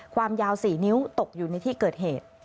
ความยาว๔นิ้วตกอยู่ในที่เกิดเหตุ